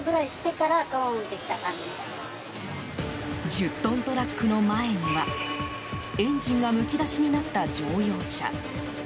１０トントラックの前にはエンジンがむき出しになった乗用車。